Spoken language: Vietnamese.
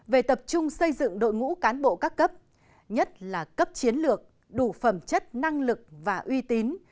về tập trung xây dựng đội ngũ cán bộ các cấp nhất là cấp chiến lược đủ phẩm chất năng lực và uy tín